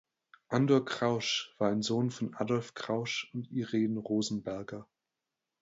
Andor Krausz war ein Sohn von Adolf Krausz und Iren Rosenberger.